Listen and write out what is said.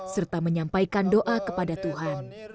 serta menyampaikan doa kepada tuhan